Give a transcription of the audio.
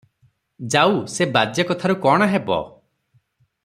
ଯାଉ, ସେ ବାଜେ କଥାରୁ କ'ଣ ହେବ?